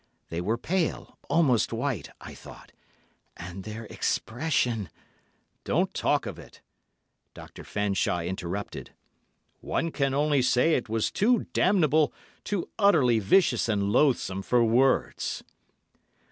They were pale, almost white, I thought, and their expression——" "Don't talk of it," Dr. Fanshawe interrupted. "One can only say it was too damnable, too utterly vicious and loathsome for words."